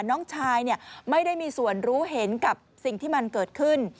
น้องชายไม่ได้มีส่วนรู้เห็นกับสิ่งที่มันเกิดขึ้น